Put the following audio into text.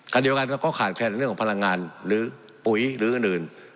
ขณะเดียวกันก็ขาดแคนเรื่องของพลังงานหรือปุ๋ยหรืออื่น